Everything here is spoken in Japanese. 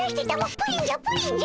プリンじゃプリンじゃ。